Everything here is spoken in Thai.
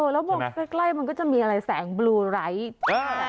แล้วมองใกล้มันก็จะมีอะไรแสงบลูไร้